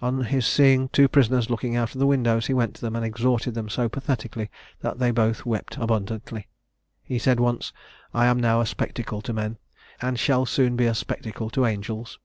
On his seeing two prisoners looking out of the windows, he went to them, and exhorted them so pathetically, that they both wept abundantly. He said once, 'I am now a spectacle to men, and shall soon be a spectacle to angels.'